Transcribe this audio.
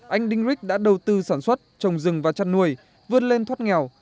anh đinh rích đã đầu tư sản xuất trồng rừng và chăn nuôi vươn lên thoát nghèo